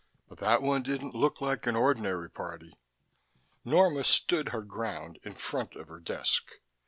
But that one didn't look like an ordinary party." Norma stood her ground in front of the desk.